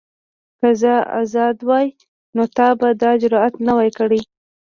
که زه ازاد وای نو تا به دا جرئت نه وای کړی.